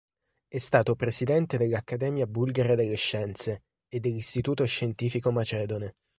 È stato presidente dell'Accademia bulgara delle scienze e dell'Istituto scientifico macedone.